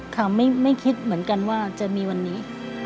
ค่ะไม่คิดเหมือนกันว่าจะมีวันนี้